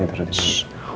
aduh aduh aduh